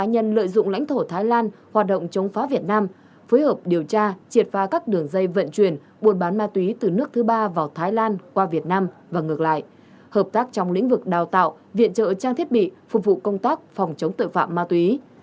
hoạt động chống phá việt nam phối hợp điều tra triệt pha các đường dây vận chuyển buôn bán ma túy từ nước thứ ba vào thái lan qua việt nam và ngược lại hợp tác trong lĩnh vực đào tạo viện trợ trang thiết bị phục vụ công tác phòng chống tội phạm ma túy